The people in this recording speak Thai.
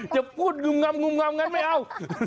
จะพูดงุ่มงำงุ่มงำงั้นไม่เอา